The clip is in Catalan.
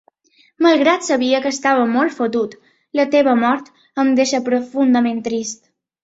Malgrat sabia que estava molt fotut, la teva mort, em deixa profundament trist.